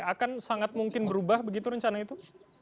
akan sangat mungkin berubah begitu rencana itu